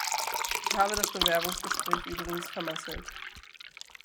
Ich habe das Bewerbungsgespräch übrigens vermasselt.